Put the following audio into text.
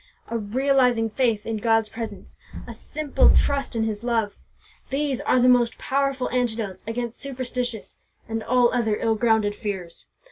A realizing faith in God's presence, a simple trust in His love, these are the most powerful antidotes against superstitious and all other ill grounded fears.